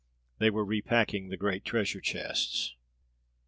They were repacking the great treasure chests.